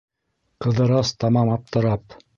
Ҡыҙырас, тамам аптырап: